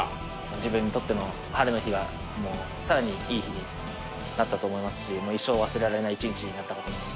自分にとっての晴れの日がさらにいい日になったと思いますしもう一生忘れられない一日になったと思います